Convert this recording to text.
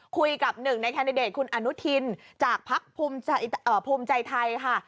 คุยกับหนึ่งในแคนดิเดตคุณอนุทินจากพักภูมิใจไทยค่ะ